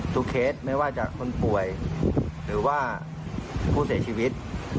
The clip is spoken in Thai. เคสไม่ว่าจะคนป่วยหรือว่าผู้เสียชีวิต